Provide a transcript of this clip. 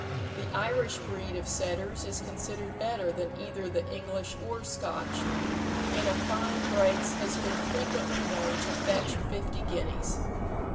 The Irish breed of setters is considered better than either the English or Scotch, and a fine brace has been frequently known to fetch fifty guineas.